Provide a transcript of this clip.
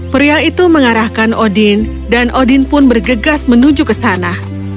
pria itu mengarahkan odin dan odin pun bergegas menuju ke sana